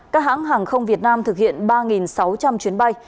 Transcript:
các hãng hàng không việt nam thực hiện ba sáu trăm linh chuyến bay